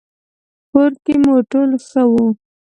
کور کې مو ټول ښه وو؟